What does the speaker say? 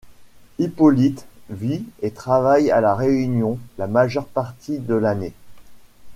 Hippolyte vit et travaille à La Réunion la majeure partie de l'année.